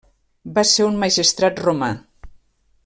Va ser un magistrat romà.